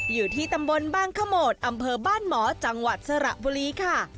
อยู่ที่ตำบลบ้านขโมดอำเภอบ้านหมอจังหวัดสระบุรีค่ะ